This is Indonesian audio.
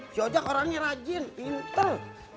si ojek orangnya rajin inter